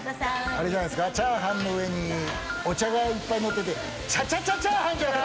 チャーハンの上にお茶がいっぱいのっててチャチャチャチャーハンじゃない？